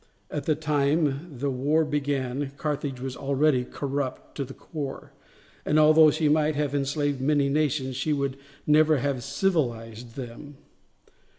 At the time the war began Carthage was already corrupt to the core, and although she might have enslaved many nations she would never have civilized them.